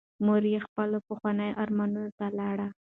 مور یې خپلو پخوانیو ارمانونو ته لاړه.